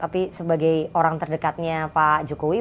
tapi sebagai orang terdekatnya pak jokowi